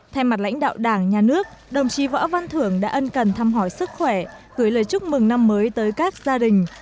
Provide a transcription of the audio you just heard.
thay mặt lãnh đạo đảng nhà nước đồng chí võ văn thưởng đã ân cần thăm hỏi sức khỏe gửi lời chúc mừng năm mới tới các gia đình